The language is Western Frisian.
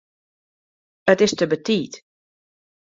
It is te betiid.